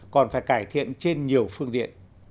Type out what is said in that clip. còn phải cải thiện trên nhiều phương điện